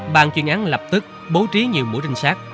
bàn chuyên án lập tức bố trí nhiều mũi trinh sát